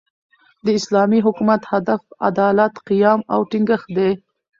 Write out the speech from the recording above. د اسلامي حکومت، هدف عدالت، قیام او ټینګښت دئ.